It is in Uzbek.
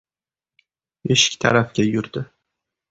Eshik tarafga yurdi.